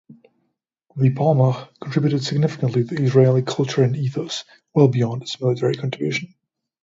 The Palmach contributed significantly to Israeli culture and ethos, well beyond its military contribution.